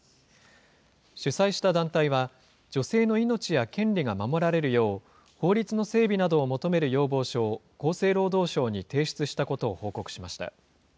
主催した団体は、女性の命や権利が守られるよう、法律の整備などを求める要望書を厚生労働省に提出したことを報告しました。